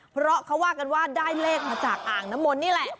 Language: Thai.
เพราะเขาว่ากันว่าได้เลขมาจากอ่างน้ำมนต์นี่แหละ